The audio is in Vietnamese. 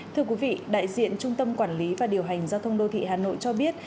thưa quý vị đại diện trung tâm quản lý và điều hành giao thông đô thị hà nội cho biết